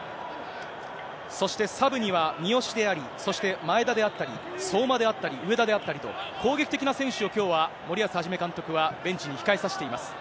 そしてサブには三好であり、そして前田であったり、相馬であったり上田であったりと、攻撃的な選手をきょうは森保一監督はベンチに控えさせています。